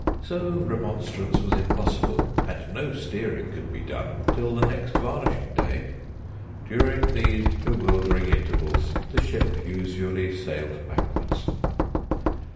So remonstrance was impossible, and no steering could be done till the next varnishing day. During these bewildering intervals the ship usually sailed backwards.